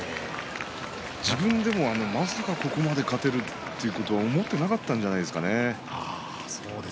自分でも、まさかここまで勝てるということは思っていなかったんじゃないでしょうかね。